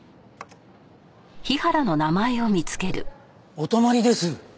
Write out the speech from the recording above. お泊まりです。